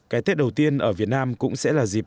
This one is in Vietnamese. cái tết đầu tiên ở việt nam cũng sẽ là dịp